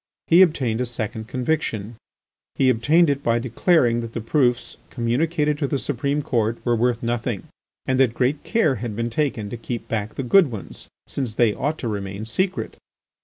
He obtained a second conviction; he obtained it by declaring that the proofs communicated to the Supreme Court were worth nothing, and that great care had been taken to keep back the good ones, since they ought to remain secret.